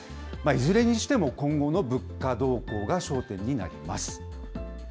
いずれにしても今後の物価動向が焦点になります。